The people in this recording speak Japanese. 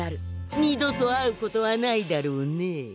二度と会うことはないだろうね。